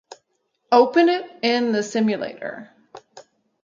Open it in the simulator